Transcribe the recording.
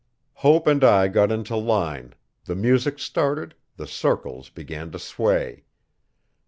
Hope and I got into line, the music started, the circles began to sway.